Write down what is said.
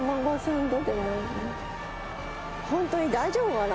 ホントに大丈夫かな。